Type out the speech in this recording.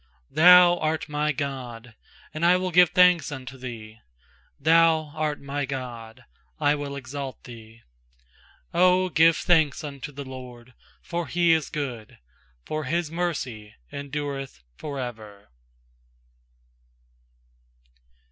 28Thou art my God, and I will give thanks unto Thee; Thou art my God, I will exalt Thee. 29Q give thanks unto the LORD, for He is good, For His mercy endureth for ever.